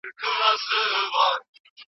زه کالي اغوندم.